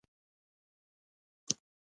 د صنعتکارانو اتحادیه فعال ده؟